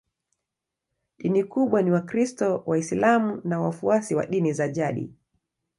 Dini kubwa ni Wakristo, Waislamu na wafuasi wa dini za jadi.